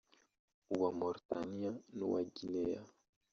uwa Mauritania n’uwa Guinea